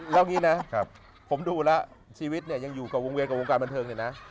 แล้วงี้นะผมดูแล้วชีวิตเนี้ยยังอยู่ก่อวงเวียก่อวงการบันเทิงเลยนะ